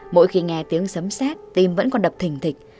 mỗi khi nghe tiếng sấm xét tim vẫn còn đập thỉnh thịch